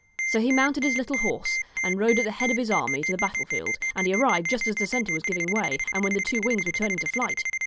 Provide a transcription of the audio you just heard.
So he mounted his little horse and rode at the head of his army to the battlefield, and he arrived just as the centre was giving way, and when the two wings were turning to flight.